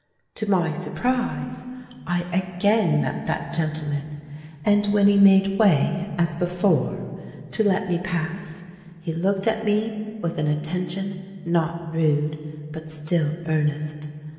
To my surprise I again met that gentleman; and when he made way as before, to let me pass, he looked at me with an attention not rude, but still earnest.